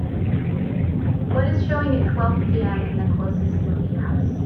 What is showing at twelve P.M. in the closest movie house